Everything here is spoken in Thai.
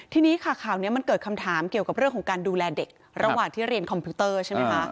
ทีนี้ค่ะข่าวนี้มันเกิดคำถามเกี่ยวกับเรื่องของการดูแลเด็กระหว่างที่เรียนคอมพิวเตอร์ใช่ไหมคะ